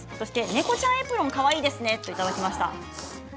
猫ちゃんエプロン、かわいいですね、といただきました。